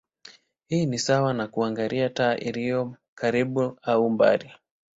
Hii ni sawa na kuangalia taa iliyo karibu au mbali.